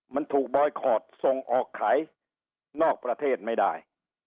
มันถูกบอยคอร์ดส่งออกขายนอกประเทศไม่ได้